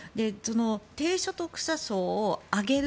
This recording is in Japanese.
低所得者層を上げる。